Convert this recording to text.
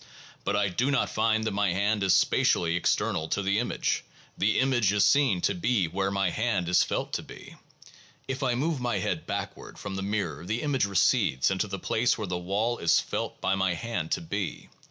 But I do not find that my hand is spatially external to the image: the image is seen to be where my hand is felt to be. If I move my head backward from the mirror the image recedes into the place where the wall is felt by my hand to be.